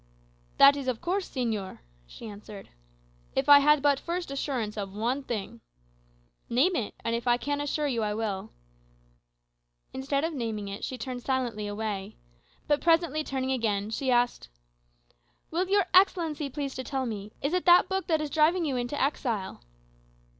"That is of course, señor," she answered. "If I had but first assurance of one thing." "Name it; and if I can assure you, I will." Instead of naming it she turned silently away. But presently turning again, she asked, "Will your Excellency please to tell me, is it that book that is driving you into exile?"